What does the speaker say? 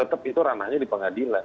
tetap itu ranahnya di pengadilan